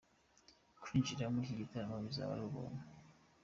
Kwinjira muri iki gitaramo bizaba ari ubuntu.